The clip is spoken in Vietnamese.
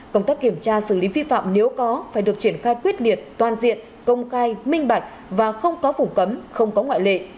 công tác kiểm tra xử lý vi phạm nếu có phải được triển khai quyết liệt toàn diện công khai minh bạch và không có phủ cấm không có ngoại lệ